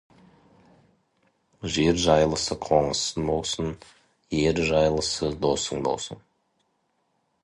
Жер жайлысы қонысың болсын, ер жайлысы досың болсын.